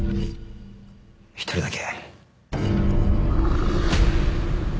１人だけ。